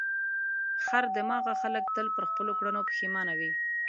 خر دماغه خلک تل پر خپلو کړنو پښېمانه وي.